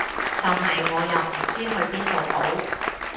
但係我又唔知去邊度好